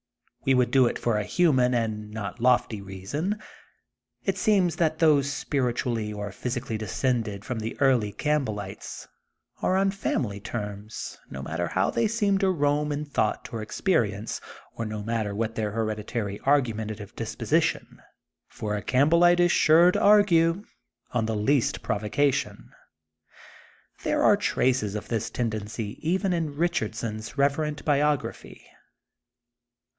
We would 4o it for a human, and not lofty reason. It seems that those spiritually or physically descended from the early Camp 8 4 THE GOLDEN BOOK OF SPRINGFIELD bellites are on family terms, no matter how they seem to roam in thought or experience, or no matter what their hereditary argumen tative disposition. For a Campbellite'^ is sure to argue, on the least provocation. There are traces of this tendency even in Bichard son's reverent biography.